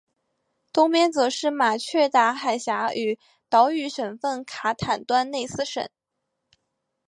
东边则是马却达海峡与岛屿省份卡坦端内斯省。